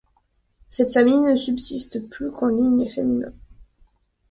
Cette famille ne subsiste plus qu'en ligne féminine.